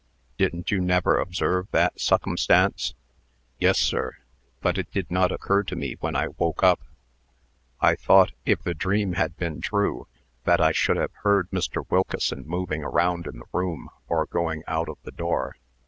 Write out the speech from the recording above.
Didn't you never observe that succumstance?" "Yes, sir; but it did not occur to me when I woke up. I thought, if the dream had been true, that I should have heard Mr. Wilkeson moving around in the room, or going out of the door.